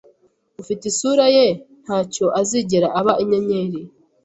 Ufite isura ye nta mucyo azigera aba inyenyeri